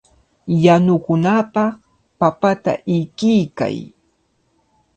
Yanukunapaq papata ikiykay.